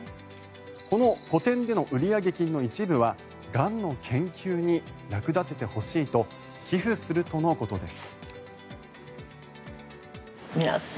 この個展での売上金の一部はがんの研究に役立ててほしいと寄付するとのことです。